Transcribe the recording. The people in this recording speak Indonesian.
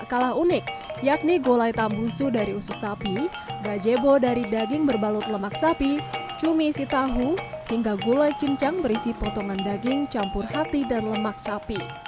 kalah unik yakni gulai tambusu dari usus sapi gajebo dari daging berbalut lemak sapi cumi isi tahu hingga gulai cincang berisi potongan daging campur hati dan lemak sapi